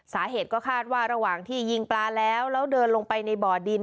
สาเหตุก็คาดว่าระหว่างที่ยิงปลาแล้วแล้วเดินลงไปในบ่อดิน